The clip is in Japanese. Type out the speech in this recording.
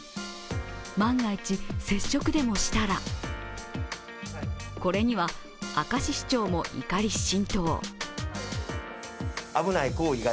万が一、接触でもしたらこれには明石市長も怒り心頭。